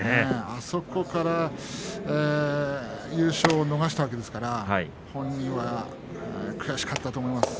あそこから優勝を逃したわけですから本人は悔しかったと思います。